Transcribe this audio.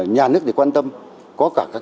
nhà nước thì quan tâm có cả các